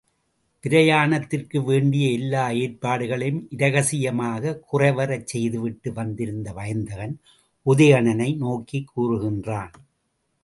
பிரயாணத்திற்கு வேண்டிய எல்லா ஏற்பாடுகளையும் இரகசியமாகக் குறைவறச் செய்துவிட்டு வந்திருந்த வயந்தகன், உதயணனை நோக்கிக் கூறுகின்றான்.